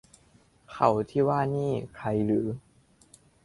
เขาที่ว่านี่ใครหรือ